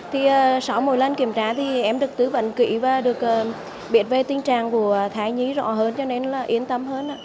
thì sau mỗi lần kiểm tra thì em được tư vấn kỹ và được biết về tình trạng của thai nhí rõ hơn cho nên là yên tâm hơn